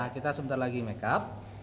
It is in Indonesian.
kita sebentar lagi makeup